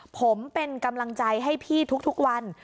ผมเป็นกำลังใจให้พี่ทุกวัน